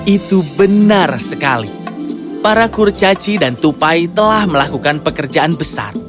itu benar sekali para kurcaci dan tupai telah melakukan pekerjaan besar